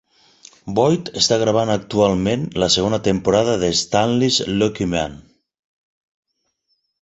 Boyd està gravant actualment la segona temporada de Stan Lee's Lucky Man.